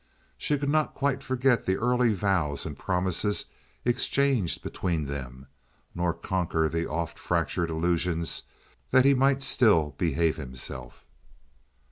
She could not quite forget the early vows and promises exchanged between them, nor conquer the often fractured illusions that he might still behave himself.